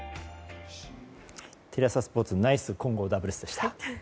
テレ朝スポーツナイス混合ダブルスでした。